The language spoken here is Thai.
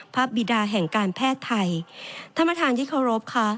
พระบิดาแห่งการแพทย์ไทยถ้ามาทางที่เคารพค่ะ